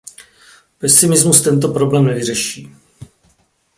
Pesimismus tento problém nevyřeší.